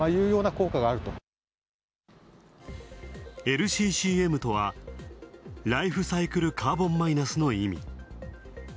ＬＣＣＭとは、ライフサイクルカーボンマイナスの意味。